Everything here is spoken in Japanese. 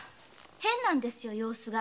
変なんです様子が。